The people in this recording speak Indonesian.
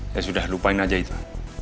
saya sudah lupain aja itu